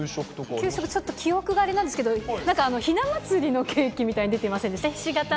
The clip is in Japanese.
給食、ちょっと記憶があれなんですけど、なんかひなまつりのケーキみたいなの出てませんでした？